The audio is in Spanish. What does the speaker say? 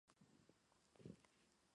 Se encuentra en Indonesia Malasia.